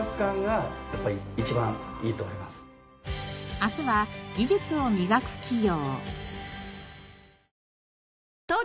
明日は技術を磨く企業。